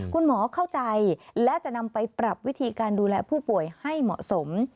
คุณหมอเข้าใจและจะนำไปปรับวิธีการดูแลผู้ป่วยให้เหมาะสม